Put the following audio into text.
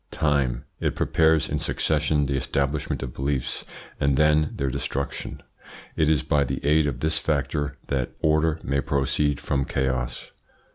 TIME. It prepares in succession the establishment of beliefs and then their destruction. It is by the aid of this factor that order may proceed from chaos.